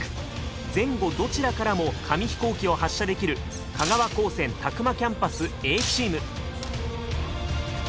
前後どちらからも紙飛行機を発射できる香川高専詫間キャンパスＡチーム。